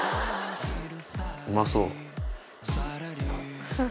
うまそう。